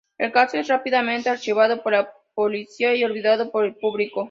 El caso es rápidamente archivado por la policía y olvidado por el público.